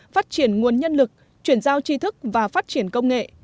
phát triển nguồn nhân lực chuyển giao tri thức và phát triển công nghệ